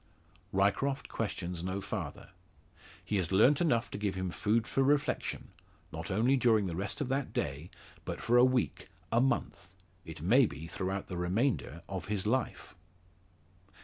Ryecroft questions no farther. He has learnt enough to give him food for reflection not only during the rest of that day, but for a week, a month it may be throughout the remainder of his life.